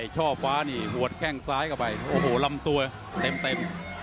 ช่อฟ้านี่หัวแข้งซ้ายเข้าไปโอ้โหลำตัวเต็ม